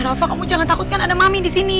rafa kamu jangan takut kan ada mami di sini